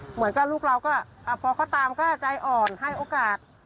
เหมือนกับลูกเราก็พอเขาตามก็ใจอ่อนให้โอกาส